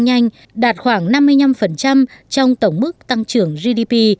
nhiều doanh nghiệp việt nam tăng nhanh đạt khoảng năm mươi năm trong tổng mức tăng trưởng gdp